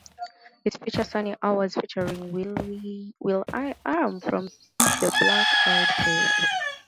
It featured "Sunny Hours" featuring will.i.am from The Black Eyed Peas.